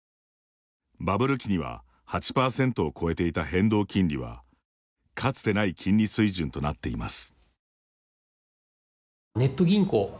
バブル期には８％を超えていた変動金利はかつてない金利水準となっています。